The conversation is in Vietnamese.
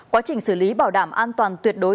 quá trình xử lý bảo đảm an toàn tuyệt đối